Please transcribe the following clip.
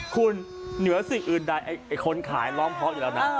คุณเหนือสิ่งอื่นใดไอ้คนขายร้องเพราะอยู่แล้วนะ